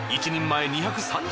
１人前２３０円。